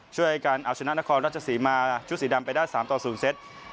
ช่วยกันเอาชนะนครราชสีมาชุดสีดำไปได้๓ต่อ๐เซต